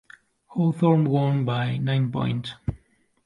Hawthorn won by nine points.